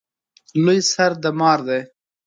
لوی سر د مار دی